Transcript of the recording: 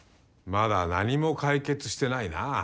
まだ何も解決してないなぁ。